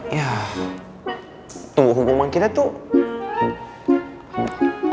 yah tunggu hubungan kita tuh